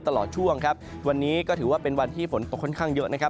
ตลอดช่วงครับวันนี้ก็ถือว่าเป็นวันที่ฝนตกค่อนข้างเยอะนะครับ